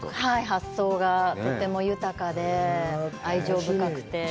発想がとても豊かで、愛情深くて。